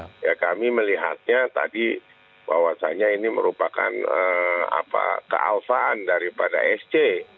ya kami melihatnya tadi bahwasannya ini merupakan kealfaan daripada sc